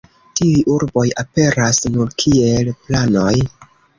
Tiuj urboj aperas nur kiel planoj.